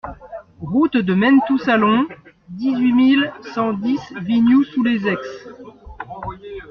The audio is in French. Route de Menetou-Salon, dix-huit mille cent dix Vignoux-sous-les-Aix